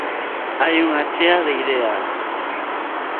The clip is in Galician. Hai unha chea de ideas!